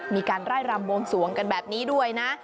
มีการไล่รำบวงสวงกันแบบนี้ด้วยนะ